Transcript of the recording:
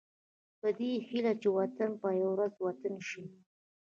په دې هيله چې وطن به يوه ورځ وطن شي.